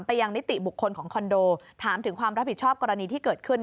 ยังนิติบุคคลของคอนโดถามถึงความรับผิดชอบกรณีที่เกิดขึ้น